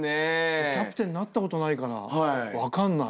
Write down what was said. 俺キャプテンなったことないから分かんない。